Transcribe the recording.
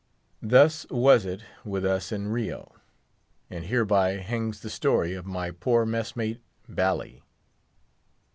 Thus was it with us in Rio, and hereby hangs the story of my poor messmate Bally.